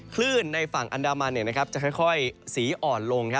คลื่นในฝั่งอันดามันจะค่อยสีอ่อนลง